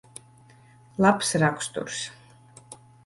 Labs raksturs.